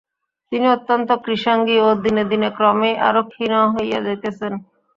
তিনি অত্যন্ত কৃশাঙ্গী ও দিনে দিনে ক্রমেই আরো ক্ষীণ হইয়া যাইতেছেন।